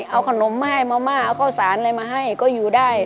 เอาขนมมาให้มาม่าเอาข้าวสารอะไรมาให้ก็อยู่ได้